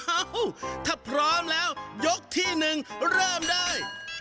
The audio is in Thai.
อ้าวถ้าพร้อมแล้วยกที่หนึ่งเริ่มได้